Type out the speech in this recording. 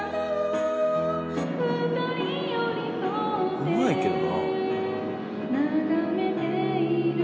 うまいけどな。